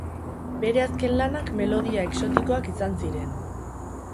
Bere azken lanak melodia exotikoak izan ziren.